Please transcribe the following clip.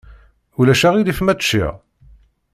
Ulac aɣilif ma ččiɣ?